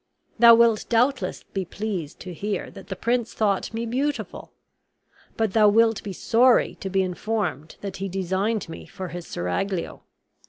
Thou wilt doubtless be pleased to hear that the prince thought me beautiful; but thou wilt be sorry to be informed that he designed me for his seraglio.